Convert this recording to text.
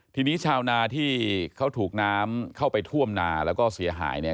ทีนี้ชาวนาที่เขาถูกน้ำเข้าไปท่วมนาแล้วก็เสียหายเนี่ย